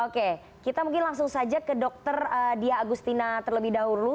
oke kita mungkin langsung saja ke dr dia agustina terlebih dahulu